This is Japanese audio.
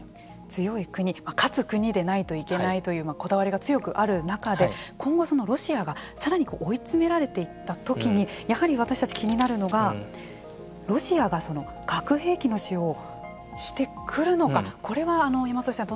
強い国勝つ国でないといけないというこだわりが強くある中で今後、ロシアがさらに追い詰められていった時にやはり私たちが気になるのはロシアが核兵器の使用をしてくるのかこれは山添さん